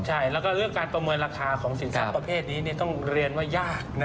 ใช่แล้วก็เรื่องการประเมินราคาของสินทรัพย์ประเภทนี้ต้องเรียนว่ายาก